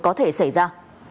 có thể xảy ra